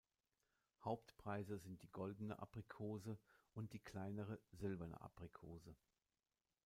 Hauptpreise sind die „Goldene Aprikose“ und die kleinere „Silberne Aprikose“.